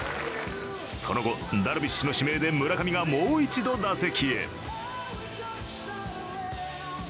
その後、ダルビッシュの指名で村上がもう一度打席へ。